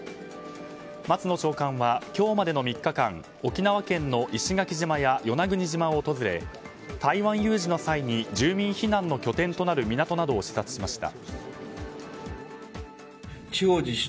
松野長官は、今日までの３日間沖縄県の石垣島や与那国島を訪れ台湾有事の際に住民避難の拠点となる港などを視察しました。